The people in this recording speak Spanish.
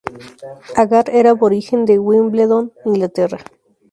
Agar era aborigen de Wimbledon, Inglaterra.